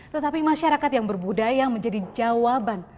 tetapi masyarakat yang berbudaya menjadi jawaban